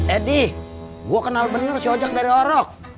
edi gue kenal bener si ojak dari orok